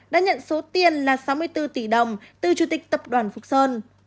đã nhận số tiền là sáu mươi bốn tỷ đồng từ chủ tịch tập đoàn phúc sơn